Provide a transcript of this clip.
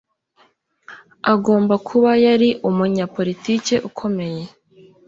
Agomba kuba yari umunyapolitiki ukomeye.